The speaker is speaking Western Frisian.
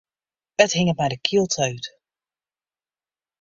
It hinget my ta de kiel út.